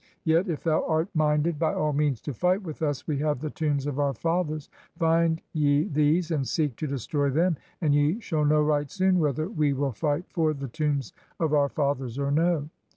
Yet, if thou art minded by all means to fight with us, we have the tombs of our fathers. Find ye these, and seek to destroy them, and ye shall know right soon whether we 339 PERSIA will fight for the tombs of our fathers or no.